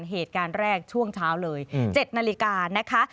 เหตุการณ์แรกช่วงเช้าเลย๗นาฬิกานะคะ